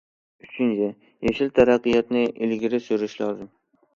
ئۈچىنچى، يېشىل تەرەققىياتنى ئىلگىرى سۈرۈش لازىم.